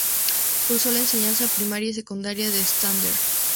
Cursó la enseñanza primaria y secundaria en Santander.